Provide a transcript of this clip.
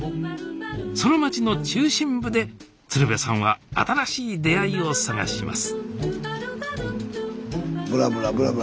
その町の中心部で鶴瓶さんは新しい出会いを探します